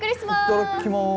いっただっきます。